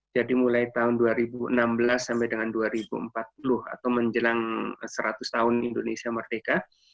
jadi mulai tahun dua ribu enam belas sampai dengan dua ribu empat puluh atau menjelang seratus tahun indonesia merdeka